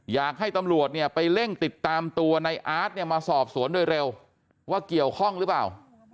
อยากให้ตำรวจเนี่ยไปเร่งติดตามตัวในอาร์ตเนี่ยมาสอบสวนโดยเร็วว่าเกี่ยวข้องหรือเปล่า